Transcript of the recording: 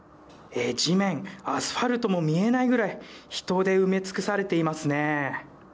地面、アスファルトも見えないぐらい人で埋め尽くされていますね。